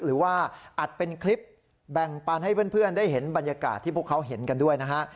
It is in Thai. หรือว่าอัดเป็นคลิปแบ่งปันให้เพื่อนได้เห็นบรรยากาศที่พวกเขาเห็นกันด้วยนะฮะ